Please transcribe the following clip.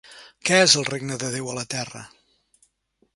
Què és el regne de Déu a la terra?